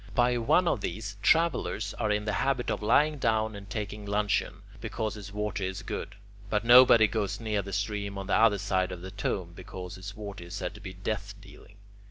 By one of these, travellers are in the habit of lying down and taking luncheon, because its water is good; but nobody goes near the stream on the other side of the tomb, because its water is said to be death dealing.